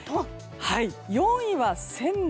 ４位は仙台。